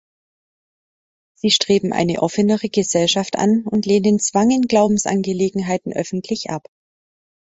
Sie streben eine offenere Gesellschaft an und lehnen Zwang in Glaubensangelegenheiten öffentlich ab.